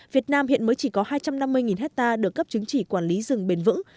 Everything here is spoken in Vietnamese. việt nam hiện mới chỉ có hai trăm năm mươi hectare được cấp chứng chỉ quản lý rừng bền vững